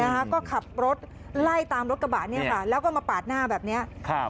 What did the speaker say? นะคะก็ขับรถไล่ตามรถกระบะเนี่ยค่ะแล้วก็มาปาดหน้าแบบเนี้ยครับ